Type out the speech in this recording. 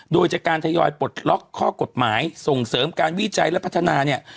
โดยจากการทยอยปลดล็อกข้อกฎหมายส่งเสริมการวิจัยและพัฒนาเนี่ย